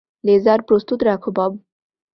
Laser প্রস্তুত রাখো, Bob.